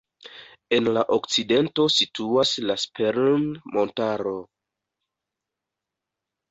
En la okcidento situas la Sperrin-montaro.